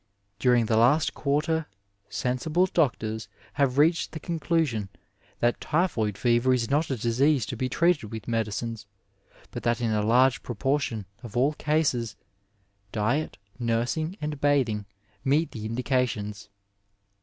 During the last quarter sensible doctors have reached the condusion that typhcMd fever is not a disease to be treated with medicines, but that in a large proportion of all cases diet, nursing and bathing meet the indications.